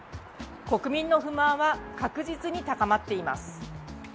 国民の不満は確実に高まっています。